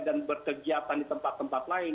dan berkegiatan di tempat tempat lain